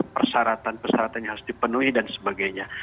persyaratan persyaratan yang harus dipenuhi dan sebagainya